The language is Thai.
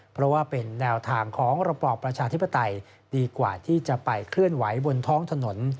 เพราะว่าเป็นแนวทางของระบอบประชาธิปไตยดีกว่าที่จะไปเคลื่อนไหวบนท้องถนน